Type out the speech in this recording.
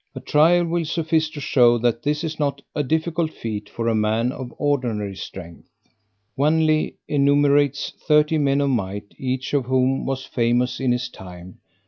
A trial will suffice to show that this is not a difficult feat for a man of ordinary strength. Wanley enumerates thirty men of might, each of whom was famous in his time.